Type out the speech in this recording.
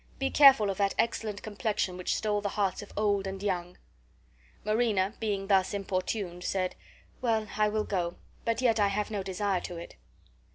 Be careful of that excellent complexion which stole the hearts of old and young." Marina, being thus importuned, said, "Well, I will go, but yet I have no desire to it."